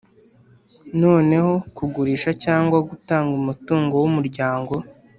noneho kugurisha cyangwa gutanga umutungo w’umuryango,